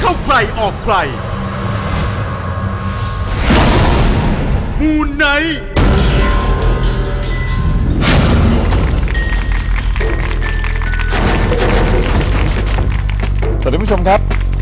สวัสดีคุณผู้ชมครับ